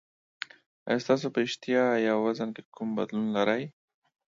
ایا تاسو په اشتها یا وزن کې کوم بدلون لرئ؟